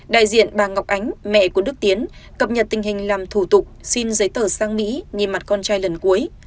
đại diện bà ngọc ánh mẹ của đức tiến cập nhật tình hình làm thủ tục xin giấy tờ sang mỹ nhìn mặt con trai lần cuối